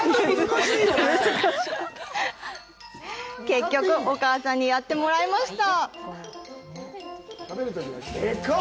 結局、お母さんにやってもらいました！